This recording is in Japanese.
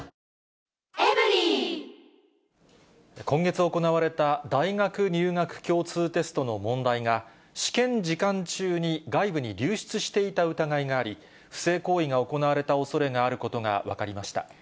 今月行われた、大学入学共通テストの問題が、試験時間中に外部に流出していた疑いがあり、不正行為が行われたおそれがあることが分かりました。